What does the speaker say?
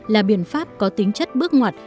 là biện pháp có tính chất bước ngoặt